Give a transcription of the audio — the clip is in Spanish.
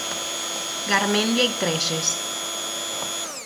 Garmendia y Trelles.